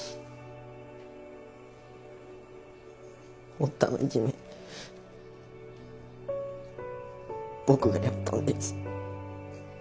堀田のいじめ僕がやったんです。